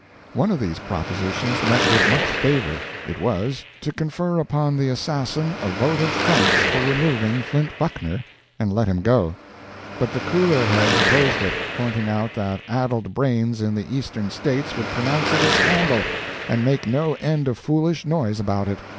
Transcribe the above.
One of these propositions met with much favor; it was, to confer upon the assassin a vote of thanks for removing Flint Buckner, and let him go. But the cooler heads opposed it, pointing out that addled brains in the Eastern states would pronounce it a scandal, and make no end of foolish noise about it.